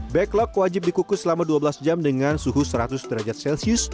backlog wajib dikukus selama dua belas jam dengan suhu seratus derajat celcius